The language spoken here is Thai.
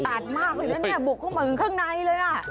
มากเลยนะเนี่ยบุกเข้ามาข้างในเลยน่ะ